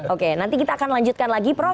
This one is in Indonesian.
oke nanti kita akan lanjutkan lagi prof